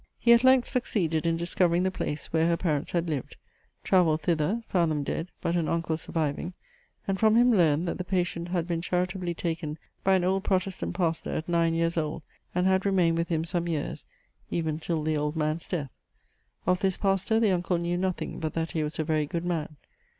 He at length succeeded in discovering the place, where her parents had lived: travelled thither, found them dead, but an uncle surviving; and from him learned, that the patient had been charitably taken by an old Protestant pastor at nine years old, and had remained with him some years, even till the old man's death. Of this pastor the uncle knew nothing, but that he was a very good man.